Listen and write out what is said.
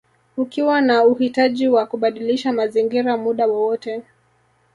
Ukiwa na uhitaji wa kubadilisha mazingira muda wowote